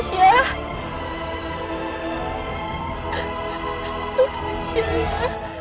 itu kasia ya